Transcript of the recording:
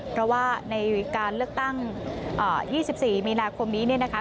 เพราะว่าในการเลือกตั้ง๒๔มีนาคมนี้เนี่ยนะคะ